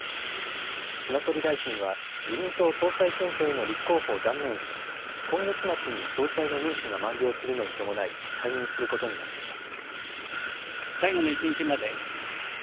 菅総理大臣は自民党総裁選挙への立候補を断念し今月末に総裁の任期が満了するのに伴い退任することになっています。